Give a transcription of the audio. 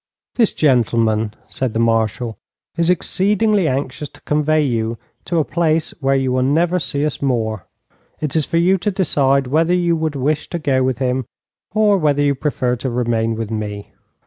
'This gentleman,' said the Marshal, 'is exceedingly anxious to convey you to a place where you will never see us more. It is for you to decide whether you would wish to go with him, or whether you prefer to remain with me.'